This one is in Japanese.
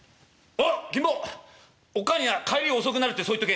おっ母には帰り遅くなるってそう言っとけ。